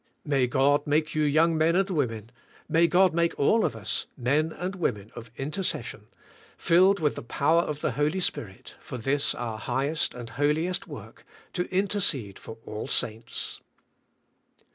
May God make you young men and women, may God make all of us, men and women of intercession, filled with the power of the Holy Spirit, for this our hig hest and holiest work, to interceed for all saints.